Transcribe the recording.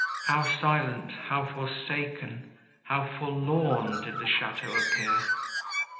How silent, how forsaken, how forlorn did the château appear!